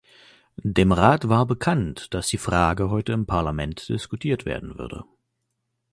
Dem Rat war bekannt, dass die Frage heute im Parlament diskutiert werden würde.